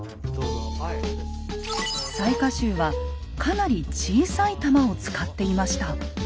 雑賀衆はかなり小さい弾を使っていました。